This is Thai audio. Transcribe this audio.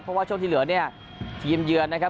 เพราะว่าช่วงที่เหลือเนี่ยทีมเยือนนะครับ